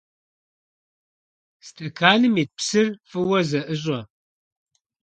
Стэканым ит псыр фӀыуэ зэӀыщӀэ.